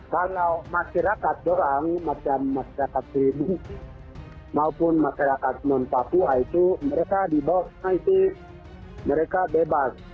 kalau masyarakat doang macam masyarakat seribu maupun masyarakat non papua itu mereka di bawah sana itu mereka bebas